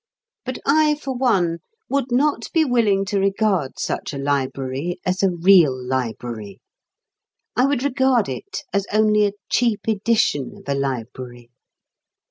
But I for one would not be willing to regard such a library as a real library. I would regard it as only a cheap edition of a library.